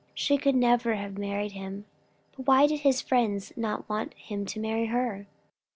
She could never have married him. But why did his friends not want him to marry her?